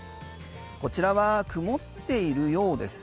こちらは曇っているようです。